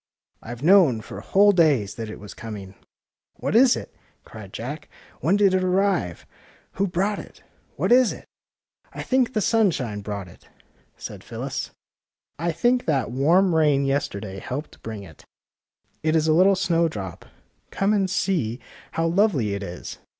IVe known for whole days that it was com ing! "'' What is it? " cried Jack. '' When did it arrive? Who brought it? What is it? " 4 THE SNOWDROP *^ I think the sunshine brought it/' said Phyllis. '' I think that warm rain yesterday helped bring it. It is a little snowdrop. Come and see how lovely it is!